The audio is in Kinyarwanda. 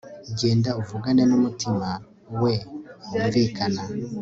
Genda uvugane numutima we wunvikana